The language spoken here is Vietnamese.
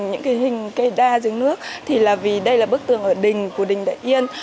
những hình cây đa dưới nước thì là vì đây là bức tường ở đình của đình đại yên